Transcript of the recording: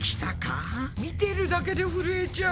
見てるだけでふるえちゃう。